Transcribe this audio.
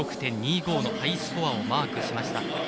７６．２５のハイスコアをマークしました。